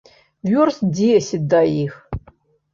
Вёрст дзесяць да іх.